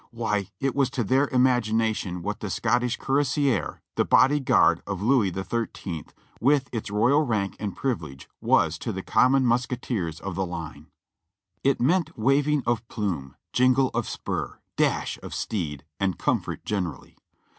Why, it was to their imagination what the Scot tish Cuirassier, the body guard of Louis the Thirteenth, with its royal rank and privilege, was to the common musketeers of the line. It meant waving of plume, jingle of spur, dash of steed, and comfort generally.